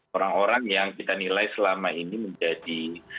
orang orang yang kita nilai selama ini menjadi